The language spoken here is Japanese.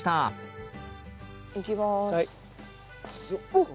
おっ。